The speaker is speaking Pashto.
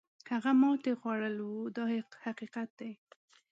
هغه ماتې خوړل وو دا حقیقت دی.